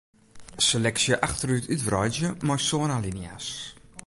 Seleksje achterút útwreidzje mei sân alinea's.